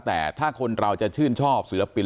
แต่ถ้าคนเราจะชื่นชอบศิลปิน